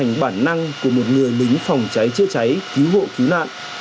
anh đã trở thành bản năng của một người lính phòng cháy chưa cháy cứu hộ cứu nạn